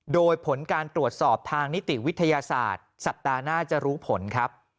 โดยผลการตรวจสอบทางนิติวิทยาศาสตร์สัปดาห์หน้าจะรู้ผลครับ